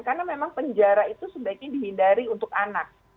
karena memang penjara itu sebaiknya dihindari untuk anak